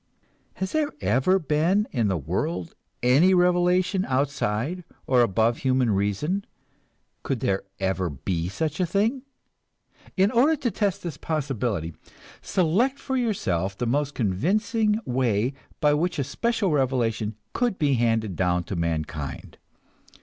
Has there ever been in the world any revelation, outside of or above human reason? Could there ever be such a thing? In order to test this possibility, select for yourself the most convincing way by which a special revelation could be handed down to mankind.